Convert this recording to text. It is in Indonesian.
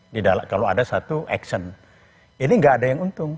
kalau ada satu aksen ini nggak ada yang untung